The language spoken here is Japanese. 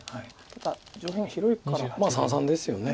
ただ上辺は広いから三々ですよね。